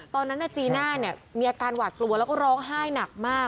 ตอนนั้นจีน่าเนี่ยมีอาการหวาดกลัวแล้วก็ร้องไห้หนักมาก